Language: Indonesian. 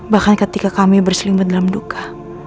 bahkan ketika kami berselimut dalam duka